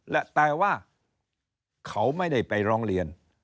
และแต่ว่าเขาไม่ได้ไปร้องเรียน